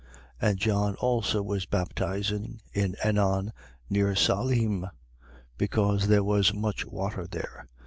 3:23. And John also was baptizing in Ennon near Salim: because there was much water there.